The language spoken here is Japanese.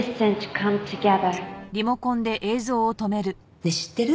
ねえ知ってる？